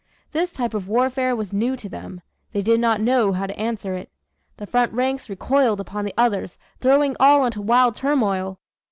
This type of warfare was new to them. They did not know how to answer it. The front ranks recoiled upon the others, throwing all into wild turmoil.